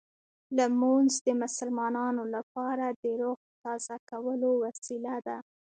لمونځ د مسلمانانو لپاره د روح تازه کولو وسیله ده.